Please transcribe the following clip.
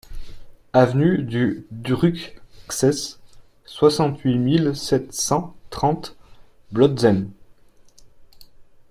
Avenue du Drucksess, soixante-huit mille sept cent trente Blotzheim